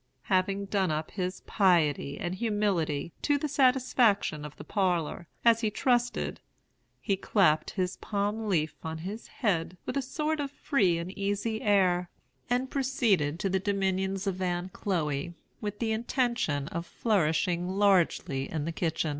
"Having done up his piety and humility, to the satisfaction of the parlor, as he trusted, he clapped his palm leaf on his head with a sort of free and easy air, and proceeded to the dominions of Aunt Chloe, with the intention of flourishing largely in the kitchen."